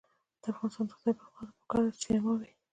د افغانستان د اقتصادي پرمختګ لپاره پکار ده چې سینما وي.